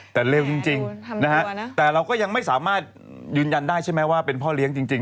แต่เร็วจริงนะฮะแต่เราก็ยังไม่สามารถยืนยันได้ใช่ไหมว่าเป็นพ่อเลี้ยงจริง